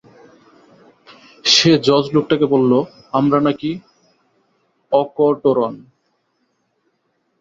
সে জজ লোকটাকে বলল আমরা নাকি অকটোরন।